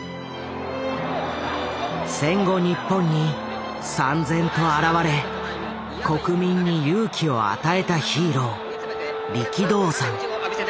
戦後日本にさん然と現れ国民に勇気を与えたヒーロー力道山。